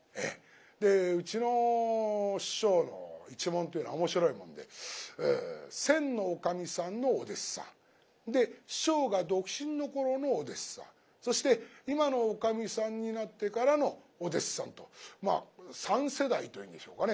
でうちの師匠の一門というのはおもしろいもんで先のおかみさんのお弟子さんで師匠が独身の頃のお弟子さんそして今のおかみさんになってからのお弟子さんとまあ３世代と言うんでしょうかね